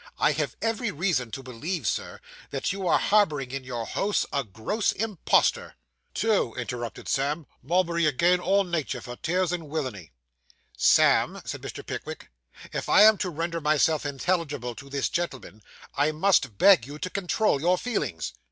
I have every reason to believe, Sir, that you are harbouring in your house a gross impostor!' 'Two,' interrupted Sam. 'Mulberry agin all natur, for tears and willainny!' 'Sam,' said Mr. Pickwick, 'if I am to render myself intelligible to this gentleman, I must beg you to control your feelings.